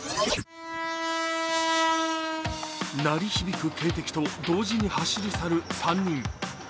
鳴り響く警笛と、同時に走り去る３人。